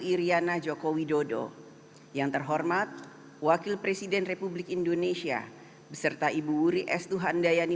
iryana joko widodo yang terhormat wakil presiden republik indonesia beserta ibu wuri es tuhhandayani